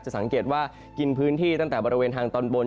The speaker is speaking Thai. สังเกตว่ากินพื้นที่ตั้งแต่บริเวณทางตอนบน